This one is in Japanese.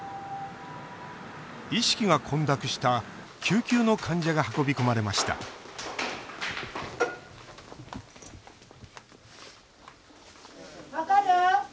意識が混濁した救急の患者が運び込まれました分かる？